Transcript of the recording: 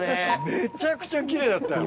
めちゃくちゃ奇麗だったよ。